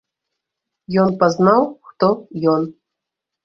Ён пазнаў, хто ён.